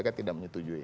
ketua mk tidak menyetujui